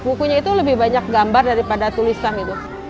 bukunya itu lebih banyak gambar daripada tulisan gitu